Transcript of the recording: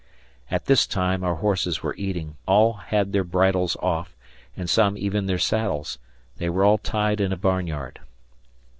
At this time our horses were eating; all had their bridles off, and some even their saddles they were all tied in a barnyard.